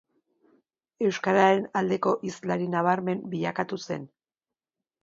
Euskararen aldeko hizlari nabarmen bilakatu zen.